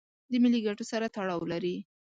د ملي ګټو سره تړاو لري.